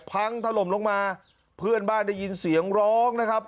พังถล่มลงมาเพื่อนบ้านได้ยินเสียงร้องนะครับ